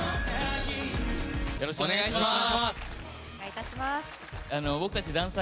よろしくお願いします。